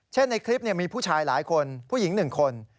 ในคลิปมีผู้ชายหลายคนผู้หญิง๑คน